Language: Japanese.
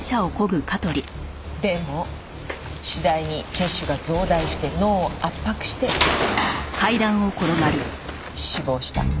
でも次第に血腫が増大して脳を圧迫して死亡した。